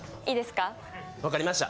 分かりました。